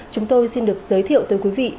chúng tôi xin được giới thiệu tới quý vị